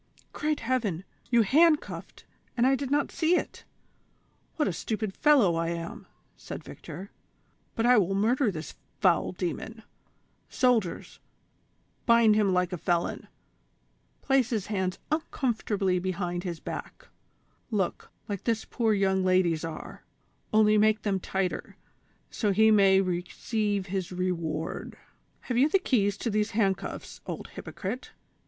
"Great heaven ! you handcuffed, and I not see it ; what a stupid fellow I am," said Victor; "but I will murder this foul demon ; soldiers, bind him like a felon, place his hands uncomfortably behind his back ; look, like this poor young lady's are, only make them tighter, so he may re ceive his reward." " Have you the keys to these handcuffs, old hypocrite